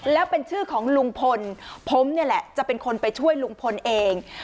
แล้วเป็นชื่อของลุงพลผมนี่แหละจะเป็นคนไปช่วยลุงพลเอง